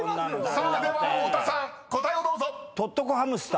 ［さあでは太田さん答えをどうぞ］